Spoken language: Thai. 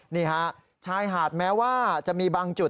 นี่ฮะชายหาดแม้ว่าจะมีบางจุด